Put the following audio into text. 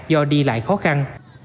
do đi lại khó khăn